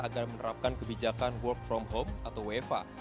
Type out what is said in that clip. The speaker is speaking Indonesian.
agar menerapkan kebijakan work from home atau wfa